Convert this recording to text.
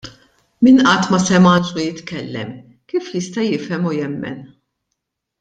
Min qatt ma sema anġlu jitkellem, kif jista' jifhem u jemmen?